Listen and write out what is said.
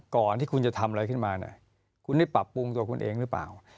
ก่อนที่คุณจะทำอะไรขึ้นมาเนี่ยคุณได้ปรับปรุงตัวคุณเองหรือเปล่า